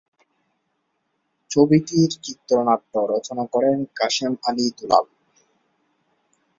ছবিটির চিত্রনাট্য রচনা করেন কাশেম আলী দুলাল।